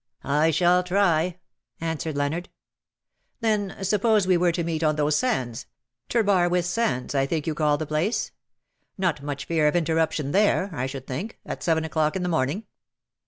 " I shall try/' answered Leonard. ^' Then suppose we were to meet on those sands — Trebarwith Sands, I think you call the place. Not much fear of interruption there, I should think, at seven o'clock in the morning.""